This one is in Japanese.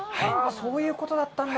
そういうことだったんだ。